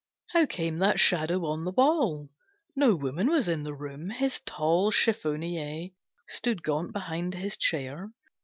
How came that shadow on the wall, No woman was in the room! His tall Chiffonier stood gaunt behind His chair.